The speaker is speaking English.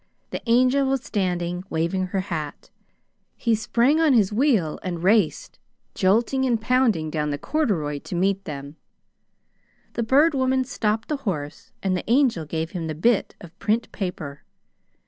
The Angel was standing, waving her hat. He sprang on his wheel and raced, jolting and pounding, down the corduroy to meet them. The Bird Woman stopped the horse and the Angel gave him the bit of print paper.